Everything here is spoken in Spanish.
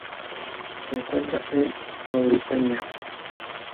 Se encuentra en Mauritania.